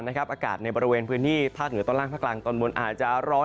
นะครับอากาศในบรรเวณพื้นที่ภาคเหนือตอนล่างถักกลางตอนมนต์อาจจะร้อน